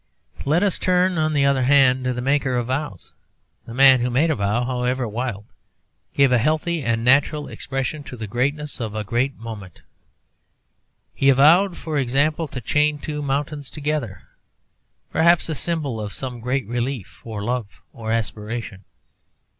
Let us turn, on the other hand, to the maker of vows. The man who made a vow, however wild, gave a healthy and natural expression to the greatness of a great moment. He vowed, for example, to chain two mountains together, perhaps a symbol of some great relief, or love, or aspiration.